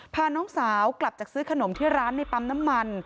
พาน้องสาวกลับจากซื้อขนมที่ร้านในปั๊มน้ำมัน